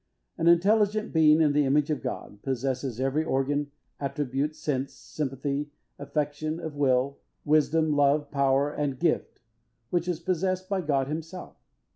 An intelligent being, in the image of God, possesses every organ, attribute, sense, sympathy, affection, of will, wisdom, love, power and gift, which is possessed by God Himself.